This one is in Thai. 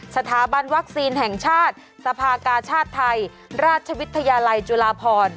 สถาบันวัคซีนแห่งชาติสภากาชาติไทยราชวิทยาลัยจุฬาพร